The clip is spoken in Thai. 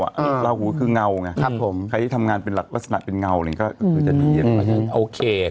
อ่าลาวหูคือเงาไงครับผมใครที่ทำงานเป็นหลักลักษณะเป็นเงานะอย่างนี้ก็คือจะดี